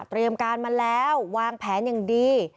เตรียมการมาแล้ววางแผนอย่างดี